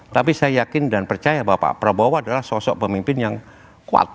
tapi saya yakin dan percaya bahwa pak prabowo adalah sosok pemimpin yang kuat